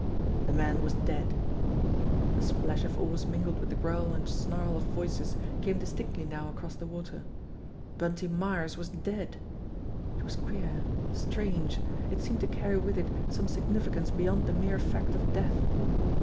The man was dead. The splash of oars mingled with the growl and snarl of voices came distinctly now across the water. Bunty Myers was dead. It was queer ! Strange ! It seemed to carry with it some significance beyond the mere fact of death.